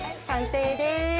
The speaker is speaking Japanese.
完成です。